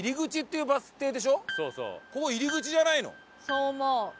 そう思う。